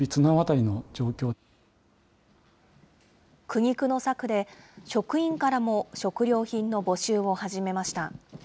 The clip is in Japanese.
苦肉の策で、職員からも食料品の募集を始めました。